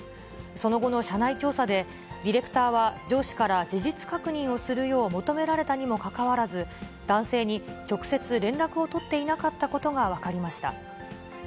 その後の社内調査で、ディレクターは上司から事実確認をするよう求められたにもかかわらず、男性に直接連絡を取っていなかったことが分かりました。